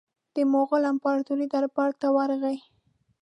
د مغول امپراطور دربار ته ورغی.